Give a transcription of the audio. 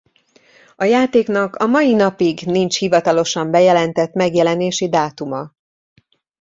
A játéknak a mai napig nincs hivatalosan bejelentett megjelenési dátuma.